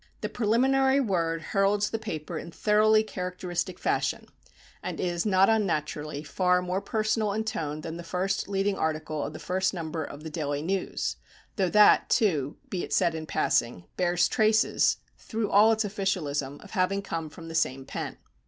The "preliminary word" heralds the paper in thoroughly characteristic fashion, and is, not unnaturally, far more personal in tone than the first leading article of the first number of The Daily News, though that, too, be it said in passing, bears traces, through all its officialism, of having come from the same pen.